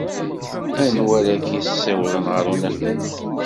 Anwa ara k-yessiwḍen ɣer unafag?